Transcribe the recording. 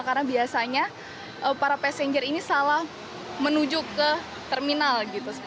karena biasanya para passenger ini salah menuju ke terminal